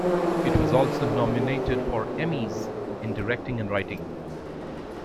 It was also nominated for Emmys in Directing and Writing.